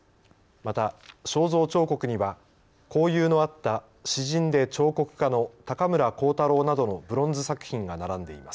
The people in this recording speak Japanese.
また肖像彫刻には交友のあった詩人で彫刻家の高村光太郎などのブロンズ作品が並んでいます。